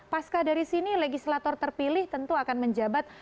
pasca dari sini legislator terpilih tentu akan menjabat